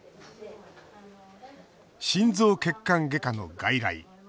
心臓血管外科の外来。